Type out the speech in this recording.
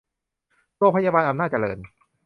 โรงพยาบาลอำนาจเจริญ